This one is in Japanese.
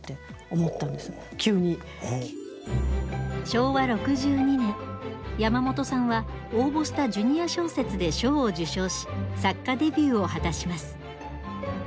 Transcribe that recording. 昭和６２年山本さんは応募したジュニア小説で賞を受賞し作家デビューを果たします。